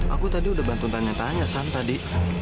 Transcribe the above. aku tadi udah bantu tanya tanya sam tadi